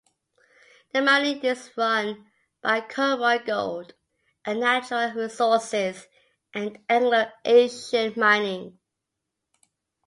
The mining is run by Conroy Gold and Natural Resources and Anglo Asian Mining.